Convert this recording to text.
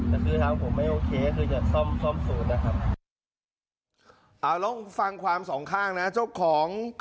แต่คือทางผมไม่โอเคก็คือจะซ่อมสูตรนะครับ